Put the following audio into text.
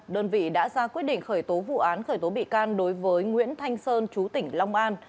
đơn vị đã ra quyết định khởi tố vụ án khởi tố bị can đối với nguyễn thanh sơn chú tỉnh long an